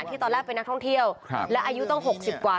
ตอนแรกเป็นนักท่องเที่ยวและอายุต้อง๖๐กว่า